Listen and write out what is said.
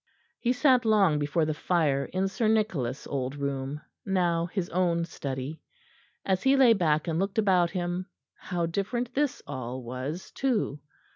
He sat long before the fire in Sir Nicholas' old room, now his own study. As he lay back and looked about him, how different this all was, too!